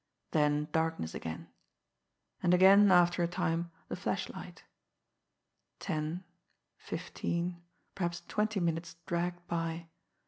Then darkness again. And again, after a time, the flashlight. Ten, fifteen, perhaps twenty minutes dragged by.